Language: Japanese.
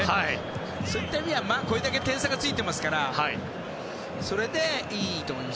そういった意味ではこれだけ点差ついていますからそれでいいと思います。